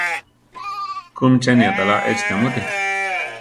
¿Kúmi cheni aʼtalá échi namúti?